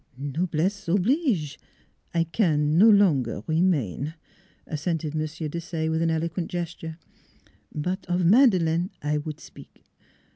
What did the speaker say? "Noblesse oblige: I can no longaire remain," assented M. Desaye, with an eloquent gesture. " But of Madeleine I would spik.